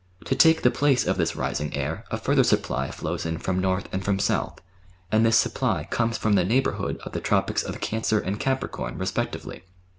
To take the place of this rising air, a further supply flows in from north and from south, and this supply comes from the neighbourhood of the Tropics of Cancer and Capricorn respectively.